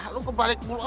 lu kebalik dulu